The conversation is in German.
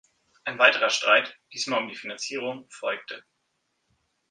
Ein weiterer Streit, diesmal um die Finanzierung, folgte.